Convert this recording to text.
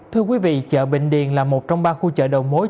thưa quý vị chợ bình điền là một trong ba khu chợ đầu mối